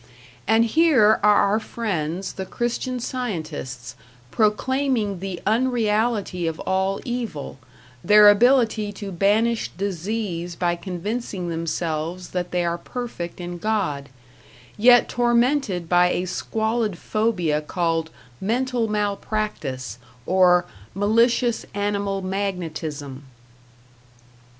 And here are our friends the Christian Scientists, proclaiming the unreality of all evil, their ability to banish disease by convincing themselves that they are perfect in God yet tormented by a squalid phobia called "Mental Malpractice", or "Malicious Animal Magnetism".